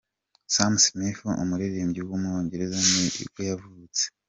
Sam Smith, umuririmbyi w’umwongereza nibwo yavutse.